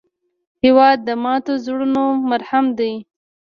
هېواد د ماتو زړونو مرهم دی.